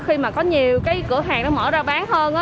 khi mà có nhiều cái cửa hàng nó mở ra bán hơn